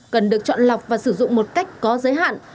cần được chọn lọc và sử dụng một cách có giới hạn